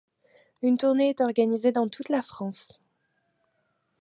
Une tournée est organisée dans toute la France.